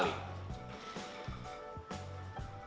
ini bisa dikukus dengan banyak benda